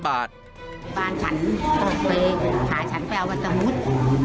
บ้านฉันต้องไปหาฉันไปเอาวันสมุทร